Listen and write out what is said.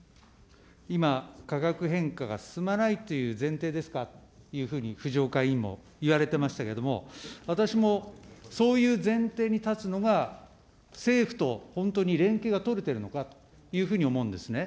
今、価格転嫁が進まないという前提ですかというふうに、ふじおか委員も言われてましたけれども、私もそういう前提に立つのが政府と本当に連携が取れてるのかというふうに思うんですね。